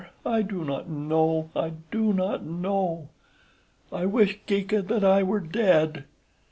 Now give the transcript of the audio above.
I do not know, I do not know. I wish, Geeka, that I were dead.